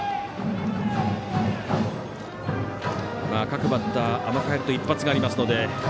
各バッター、甘く入ると一発がありますので。